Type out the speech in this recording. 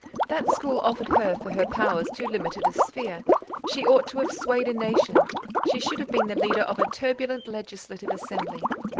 That school offered her for her powers too limited a sphere; she ought to have swayed a nation: she should have been the leader of a turbulent legislative assembly.